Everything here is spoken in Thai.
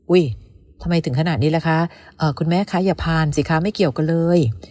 ทำไมถึงขนาดนี้ล่ะคะคุณแม่คะอย่าผ่านสิคะไม่เกี่ยวกันเลย